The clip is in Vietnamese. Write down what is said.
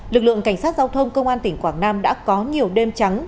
lực lượng cảnh sát giao thông công an tỉnh quảng nam đã có nhiều đêm trắng